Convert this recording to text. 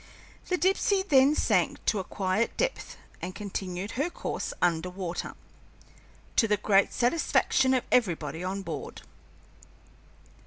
The Dipsey then sank to a quiet depth and continued her course under water, to the great satisfaction of everybody on board.